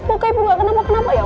buka ibu gak kenapa kenapa ya